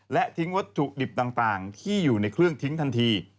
และทิ้งวัตถุดิบต่างที่อยู่ในเครื่องทิ้งทันที